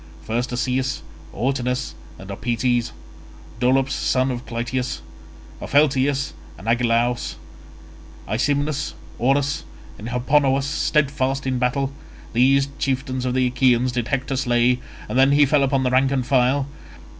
First Asaeus, Autonous, and Opites; Dolops son of Clytius, Opheltius and Agelaus; Aesymnus, Orus and Hipponous steadfast in battle; these chieftains of the Achaeans did Hector slay, and then he fell upon the rank and file.